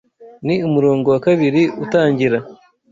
Ni umurongo wa kabri utangira